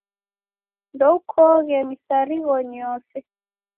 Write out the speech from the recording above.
Ndoukoghe misarighonyi yose.